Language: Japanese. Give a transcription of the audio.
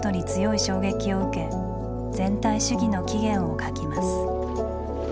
「全体主義の起源」を書きます。